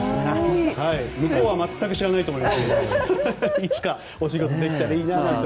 向こうは全く知らないと思いますがいつかお仕事できたらいいなと。